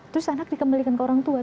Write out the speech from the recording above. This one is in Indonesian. terus anak dikembalikan ke orang tua